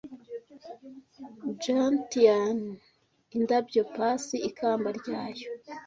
Gentian- indabyo pass, ikamba ryayo